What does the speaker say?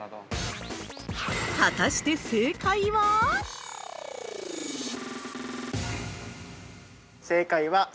◆果たして正解は？